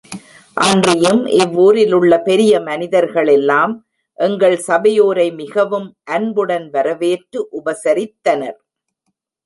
அன்றியும் இவ்வூரிலுள்ள பெரிய மனிதர் களெல்லாம் எங்கள் சபையோரை மிகவும் அன்புடன் வரவேற்று உபசரித்தனர்.